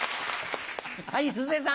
はい鈴江さん。